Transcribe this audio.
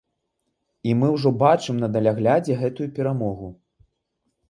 І мы ўжо бачым на даляглядзе гэтую перамогу.